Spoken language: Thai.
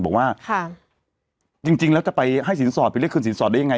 บอกว่าจริงแล้วจะไปให้สินสอดไปเรียกคืนสินสอดได้ยังไง